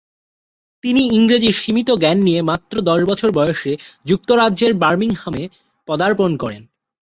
তিনি ইংরেজির সীমিত জ্ঞান নিয়ে মাত্র দশ বছর বয়সে যুক্তরাজ্যের বার্মিংহামে পদার্পণ করেন।